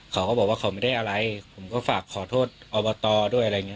เขาก็บอกว่าเขาไม่ได้อะไรผมก็ฝากขอโทษอบตด้วยอะไรอย่างนี้